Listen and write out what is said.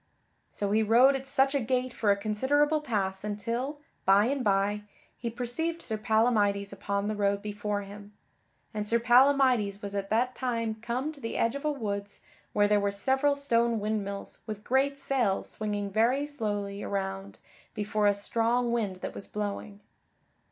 So he rode at such a gait for a considerable pass until, by and by, he perceived Sir Palamydes upon the road before him; and Sir Palamydes was at that time come to the edge of a woods where there were several stone windmills with great sails swinging very slowly around before a strong wind that was blowing.